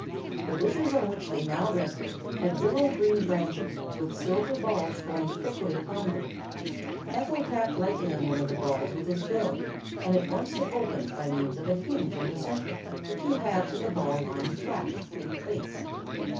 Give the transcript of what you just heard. The bushes on which they now rested had willow green branches with silver balls growing thickly upon them. Ephel tapped lightly upon one of the balls with his bill and at once it opened by means of a hinge in the center, the two halves of the ball lying flat, like plates.